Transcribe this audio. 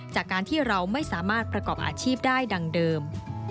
จากการที่เราไม่สามารถประกอบอาชีพได้ดังเดิม